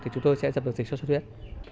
thì chúng tôi sẽ dập được dịch sốt xuất huyết